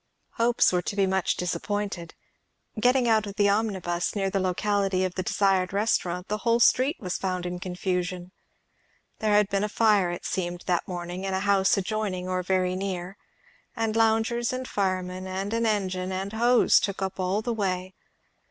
Hopes were to be much disappointed. Getting out of the omnibus near the locality of the desired restaurant, the whole street was found in confusion. There had been a fire, it seemed, that morning, in a house adjoining or very near, and loungers and firemen and an engine and hose took up all the way.